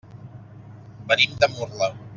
Venim de Murla.